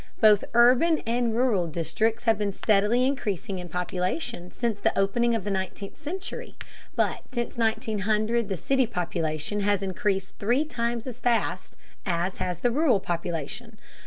Both urban and rural districts have been steadily increasing in population since the opening of the nineteenth century, but since 1900 the city population has increased three times as fast as has the rural population.